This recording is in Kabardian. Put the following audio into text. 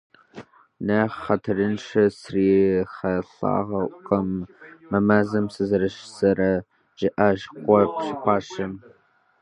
- Нэхъ хьэтырыншэ срихьэлӏакъым мы мэзым сызэрыщӏэсрэ, - жиӏащ кхъуэпӏащэм.